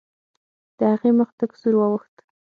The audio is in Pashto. د هغې مخ تک سور واوښت.